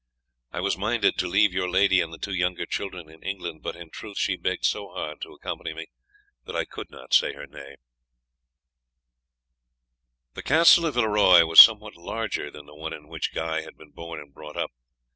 I was minded to leave your lady and the two younger children in England, but in truth she begged so hard to accompany me that I could not say her nay." The Castle of Villeroy was somewhat larger than the one in which Guy had been born and brought up.